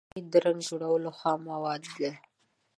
هګۍ د رنګ جوړولو خام مواد ده.